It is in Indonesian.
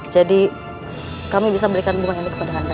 jadi kami bisa berikan bunga ini kepada anda